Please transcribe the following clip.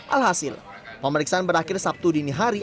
alhasil pemeriksaan berakhir sabtu dinihari